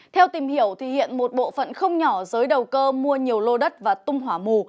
theo tìm hiểu thì hiện một bộ phận không nhỏ giới đầu cơ mua nhiều lô đất và tung hỏa mù